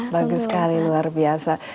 bagus sekali luar biasa